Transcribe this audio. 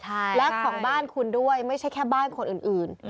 ใช่และของบ้านคุณด้วยไม่ใช่แค่บ้านคนอื่น